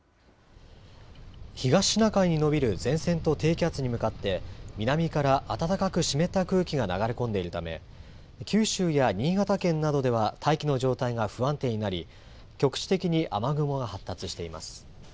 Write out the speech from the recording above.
東シナ海に延びる前線と低気圧に向かって、南から暖かく湿った空気が流れ込んでいるため、九州や新潟県などでは大気の状態が不安定になり、局地的に雨雲が発達しています。